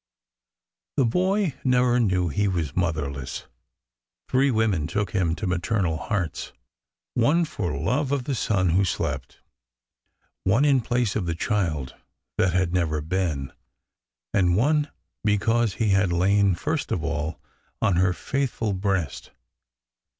The boy never knew he was motherless. Three women took him to maternal hearts, — one for love of the son who slept, one in place of the child that had never been, and one because he had lain first of all on her faithful breast.